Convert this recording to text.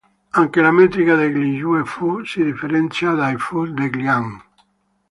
Anche la metrica degli "yue fu" si differenzia dai "fu" degli Han.